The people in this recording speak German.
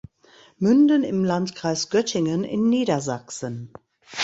Münden im Landkreis Göttingen in Niedersachsen.